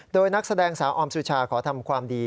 โดยนักแสดงสาวออมสุชาขอทำความดี